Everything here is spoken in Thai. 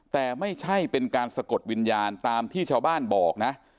แต่ไม่ใช่เป็นการสะกดวิญญาณตามที่ชาวบ้านบอกนะ